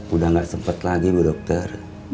udah gak sempat lagi bu dokter